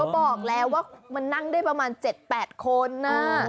บอกแล้วว่ามันนั่งได้ประมาณ๗๘คนนะ